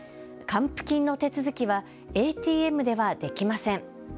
還付金の手続きはＡＴＭではできません。